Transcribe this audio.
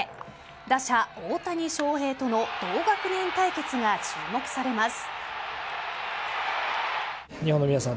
打者・大谷翔平との同学年対決が注目されます。